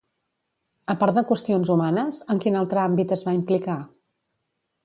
A part de qüestions humanes, en quin altre àmbit es va implicar?